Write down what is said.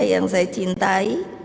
yang saya cintai